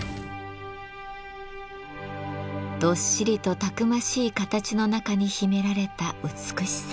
どっしりとたくましい形の中に秘められた美しさ。